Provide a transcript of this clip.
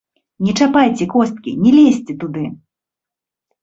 Не чапайце косткі, не лезьце туды!